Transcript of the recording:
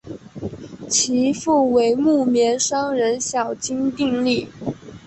其父为木棉商人小津定利。